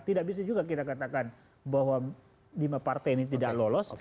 tidak bisa juga kita katakan bahwa lima partai ini tidak lolos